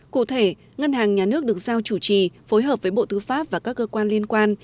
cụ thể ngân hàng nhà nước được giao chủ trì phối hợp với bộ tư pháp và các cơ quan liên quan